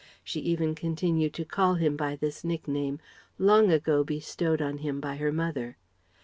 She even continued to call him by this nickname, long ago bestowed on him by her mother.